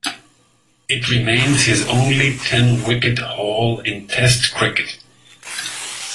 It remains his only ten wicket haul in Test cricket.